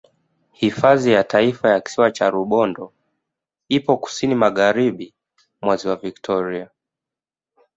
Hifadhi ya Taifa ya Kisiwa cha Rubondo ipo Kusini Magharibi mwa Ziwa Victoria